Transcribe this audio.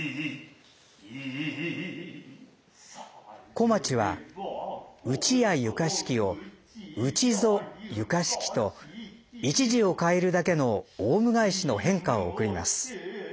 小町は「内やゆかしき」を「内ぞゆかしき」と一字を変えるだけの鸚鵡返しの返歌を送ります。